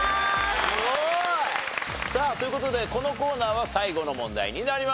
さあという事でこのコーナーは最後の問題になります。